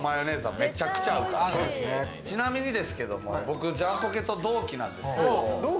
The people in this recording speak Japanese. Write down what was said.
ちなみにですけど、僕ジャンポケと同期なんですけど。